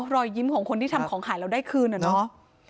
รอยยิ้มของคนที่ทำของขายแล้วได้คืนอะเนาะ